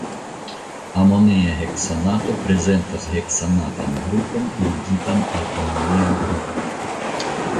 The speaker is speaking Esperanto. Amonia heksanato prezentas heksanatan grupon ligitan al amonia grupo.